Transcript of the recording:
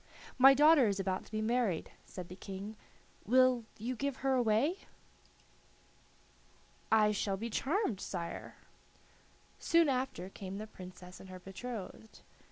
"My daughter is about to be married," said the King; "will you give her away?" "I shall be charmed, sire." Soon after came the Princess and her betrothed.